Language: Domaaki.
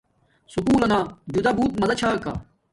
سکُول لنا جدا بوت مضا چھا کا